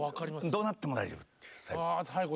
どうなっても大丈夫っていう最後。